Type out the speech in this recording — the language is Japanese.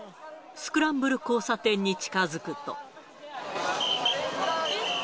スクランブル交差点に近づくと。